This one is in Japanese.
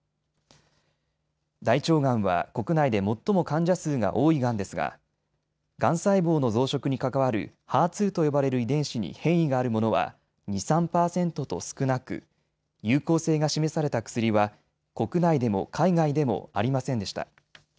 大腸がんは国内で最も患者数が多いがんですががん細胞の増殖に関わるＨＥＲ２と呼ばれる遺伝子に変異があるものは２、３％と少なく有効性が示された薬は国内でも海外でもありませんでした。